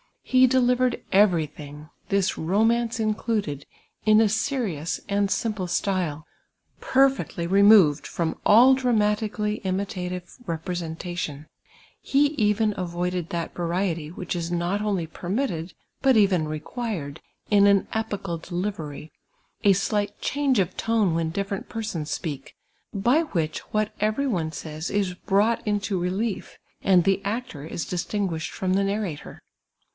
He delivered everythin<;. this romance included, in a scricms and simple style, perfeelly removed from all dramatically imitative representation ; he even avoided that variety which is not only permitted, but even required, in an epical deliver}' — a slight change of tone when ditierent persons speak, by wliich what ever} one says is brought into relief, and the actor is distin guislied from the narrator.